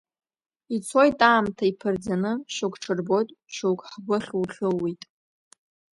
Ицоит аамҭа иԥырӡаны, шьоук ҽырбоит, шьоук ҳгәы хьу-хьууеит.